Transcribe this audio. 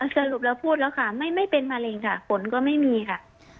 สรุปแล้วพูดแล้วค่ะไม่เป็นมะเร็งค่ะผลก็ไม่มีค่ะ